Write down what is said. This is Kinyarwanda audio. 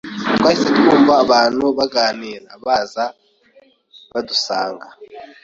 Twahise twumva abantu baganira baza badusanga,